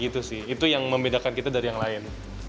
itu yang membedakan kita dari yang lain